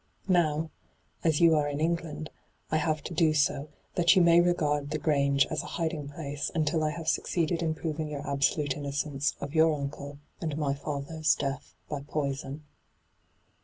Now, as you are in England, I have to do so, that you may regard the 274 nyt,, 6^hyG00>^lc ENTRAPPED 275 Grange as a hiding place until I have suc ceeded in proving your abaolote innocence of your uncle and my father's death by poison.